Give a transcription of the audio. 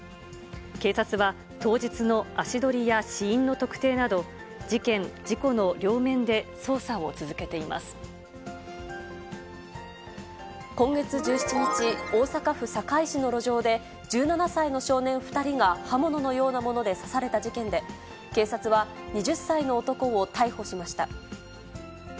警察は当日の足取りや死因の特定など、事件、今月１７日、大阪府堺市の路上で、１７歳の少年２人が刃物のようなもので刺された事件で、警察は２０歳の男を逮捕しました。